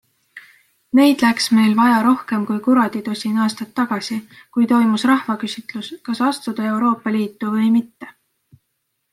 Neid läks meil vaja rohkem kui kuraditosin aastat tagasi, kui toimus rahvaküsitlus, kas astuda Euroopa Liitu või mitte.